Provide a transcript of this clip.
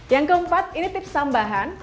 yang keempat ini tips tambahan